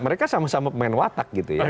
mereka sama sama pemain watak gitu ya